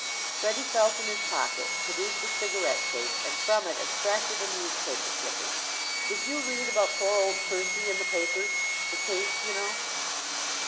Freddie felt in his pocket, produced a cigarette case, and from it extracted a newspaper clipping. "Did you read about poor old Percy in the papers? The case, you know?"